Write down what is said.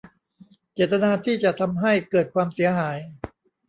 เจตนาที่จะทำให้เกิดความเสียหาย